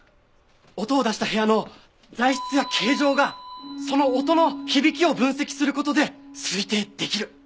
音を出した部屋の材質や形状がその音の響きを分析する事で推定できる。